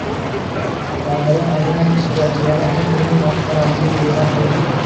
Xalqaro anjuman ishtirokchilari Amir Temur maqbarasini ziyorat qildi